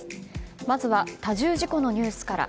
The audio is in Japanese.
まずは多重事故のニュースから。